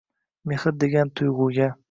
Mehr degan tuyg’uga.